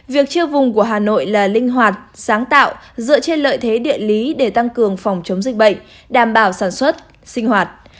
việc chia vùng của hà nội là linh hoạt sáng tạo dựa trên lợi thế địa lý để tăng cường phòng chống dịch bệnh đảm bảo sản xuất sinh hoạt